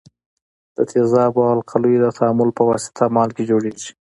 د تیزابو او القلیو د تعامل په واسطه مالګې جوړیږي.